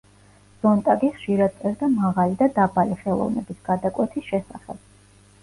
ზონტაგი ხშირად წერდა მაღალი და დაბალი ხელოვნების გადაკვეთის შესახებ.